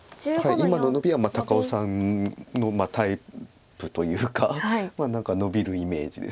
今のノビは高尾さんのタイプというか何かノビるイメージです。